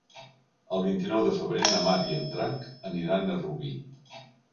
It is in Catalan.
El vint-i-nou de febrer na Mar i en Drac aniran a Rubí.